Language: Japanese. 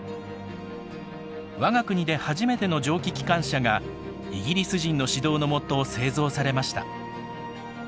我が国で初めての蒸気機関車がイギリス人の指導の下製造されました。